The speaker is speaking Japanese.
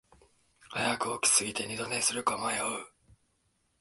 早く起きすぎて二度寝するか迷う